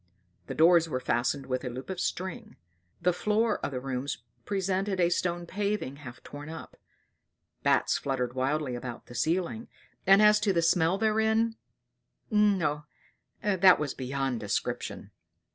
The doors were fastened with a loop of string; the floor of the rooms presented a stone paving half torn up; bats fluttered wildly about the ceiling; and as to the smell therein no that was beyond description.